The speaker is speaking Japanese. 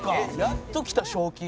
やっときた賞金。